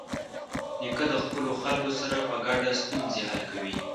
نیکه د خپلو خلکو سره په ګډه ستونزې حل کوي.